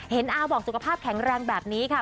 อาบอกสุขภาพแข็งแรงแบบนี้ค่ะ